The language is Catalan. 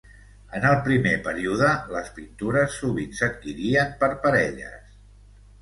En el primer període les pintures sovint s'adquirien per parelles.